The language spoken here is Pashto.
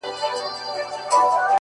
• تا خو جهاني د سباوون په تمه ستړي کړو,